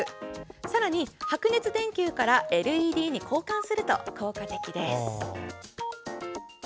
さらに、白熱電球からＬＥＤに交換すると効果的です。